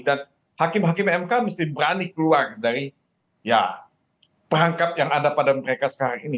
dan hakim hakim emk mesti berani keluar dari perangkap yang ada pada mereka sekarang